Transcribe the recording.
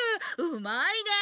うまいね！